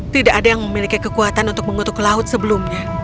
tidak ada yang memiliki kekuatan untuk mengutuk laut sebelumnya